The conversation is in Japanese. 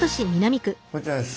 こちらです。